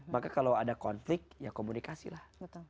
maka kalau ada konflik ya komunikasi lah